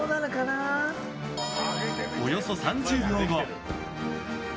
およそ３０秒後。